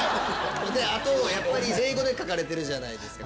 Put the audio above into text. あとやっぱり英語で書かれてるじゃないですか。